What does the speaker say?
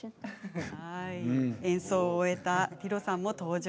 演奏を終えたティロさんも登場。